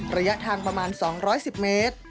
ระยะทางประมาณ๒๑๐เมตร